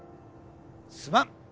すまん。